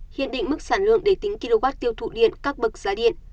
hiện định mức sản lượng để tính kw tiêu thụ điện các bậc giá điện